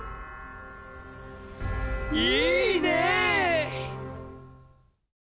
いいねぇ！